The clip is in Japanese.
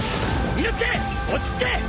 伊之助落ち着け！